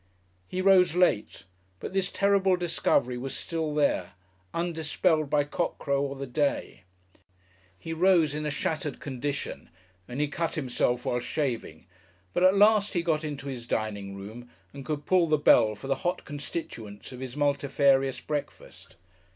He rose late, but this terrible discovery was still there, undispelled by cockcrow or the day. He rose in a shattered condition, and he cut himself while shaving, but at last he got into his dining room and could pull the bell for the hot constituents of his multifarious breakfast.